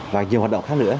và nhiều hoạt động khác nữa